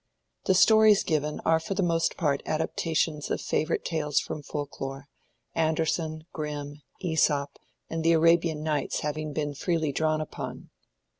The stories given are for the most part adaptations of favorite tales from folklore, Andersen, Grimm, Aesop, and the Arabian Nights having been freely drawn upon.